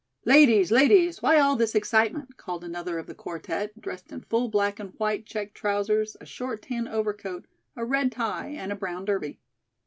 "Ladies! ladies! why all this excitement?" called another of the quartette, dressed in full black and white checked trousers, a short tan overcoat, a red tie and a brown derby.